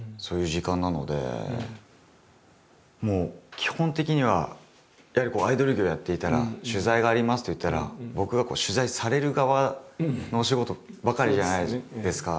もう基本的にはやはりアイドル業をやっていたら取材がありますといったら僕がこう取材される側のお仕事ばかりじゃないですか。